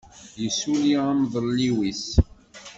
Yessuli amḍelliw-is.